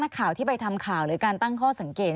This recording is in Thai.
ข่าวที่ไปทำข่าวหรือการตั้งข้อสังเกต